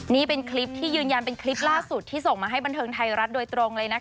นี่เป็นคลิปที่ยืนยันเป็นคลิปล่าสุดที่ส่งมาให้บันเทิงไทยรัฐโดยตรงเลยนะคะ